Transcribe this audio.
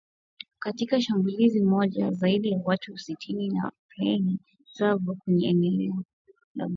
Katika shambulizi moja zaidi ya watu sitini huko Plaine Savo kwenye eneo la Djubu